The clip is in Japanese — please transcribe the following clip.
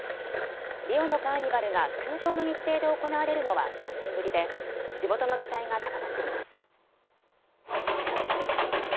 リオのカーニバルが通常の日程で行われるのは３年ぶりで地元の期待が高まっています。